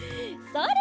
それ！